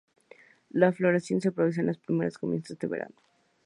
La floración se produce en la primavera y comienzos de verano.